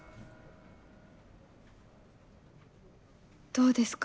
どうですか？